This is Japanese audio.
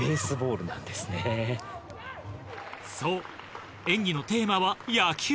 そう演技のテーマは「野球」。